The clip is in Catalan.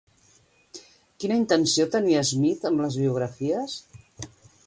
Quina intenció tenia Smith amb les biografies?